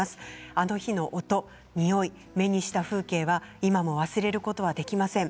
あの日の音、臭い目にした風景は今も忘れることができません。